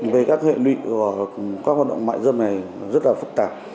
về các hệ lụy của các hoạt động mại dâm này rất là phức tạp